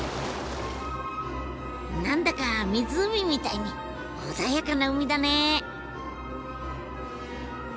何だか湖みたいに穏やかな海だね。